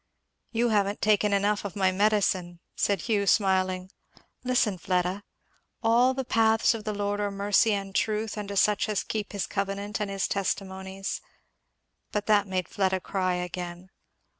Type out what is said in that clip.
"You haven't taken enough of my medicine," said Hugh smiling. "Listen, Fleda 'All the paths of the Lord are mercy and truth unto such as keep his covenant and his testimonies.'" But that made Fleda cry again.